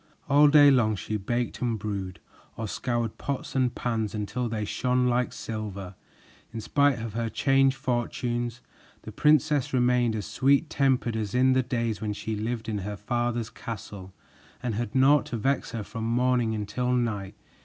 All day long she baked and brewed, or scoured pots and pans until they shone like silver. In spite of her changed fortunes, the princess remained as sweet tempered as in the days when she lived in her father's castle and had naught to vex her from morning until night.